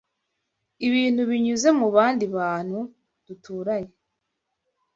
ibintu binyuze mubandi bantu dturanye